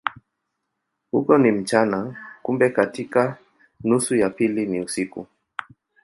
Huko ni mchana, kumbe katika nusu ya pili ni usiku.